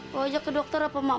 bawa aja ke dokter apa mak